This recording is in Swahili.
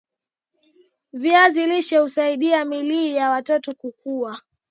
viazi lishe husaidia miili ya watoto kukua